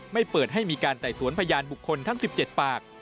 เปิดให้มีการไต่สวนพยานบุคคลทั้ง๑๗ปาก